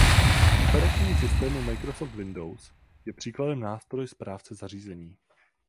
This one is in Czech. V operačním systému Microsoft Windows je příkladem nástroj Správce zařízení.